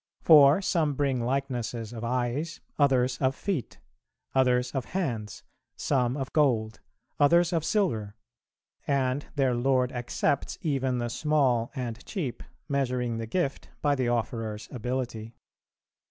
For some bring likenesses of eyes, others of feet, others of hands; some of gold, others of silver; and their Lord accepts even the small and cheap, measuring the gift by the offerer's ability.